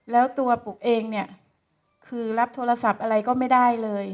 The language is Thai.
แล้วตัวปุ๊กเองเนี่ยคือรับโทรศัพท์อะไรก็ไม่ได้เลย